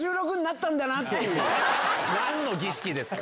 何の儀式ですか！